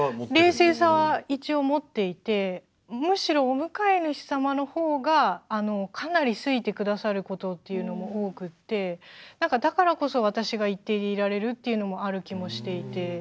冷静さは一応持っていてむしろお迎え主様の方がかなり好いて下さることっていうのも多くてなんかだからこそ私が一定でいられるっていうのもある気もしていて。